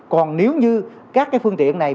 còn nếu như các cái phương tiện này